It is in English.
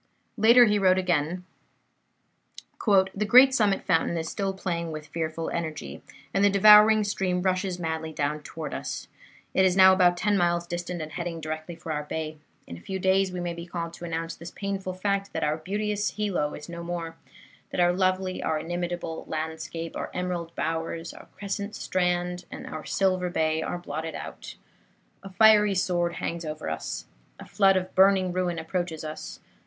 '" Later he wrote again: "The great summit fountain is still playing with fearful energy, and the devouring stream rushes madly down toward us. It is now about ten miles distant, and heading directly for our bay. In a few days we may be called to announce the painful fact that our beauteous Hilo is no more, that our lovely, our inimitable landscape, our emerald bowers, our crescent strand and our silver bay are blotted out. A fiery sword hangs over us. A flood of burning ruin approaches us.